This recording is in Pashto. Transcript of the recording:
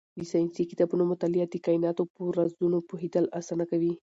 د ساینسي کتابونو مطالعه د کایناتو په رازونو پوهېدل اسانه کوي.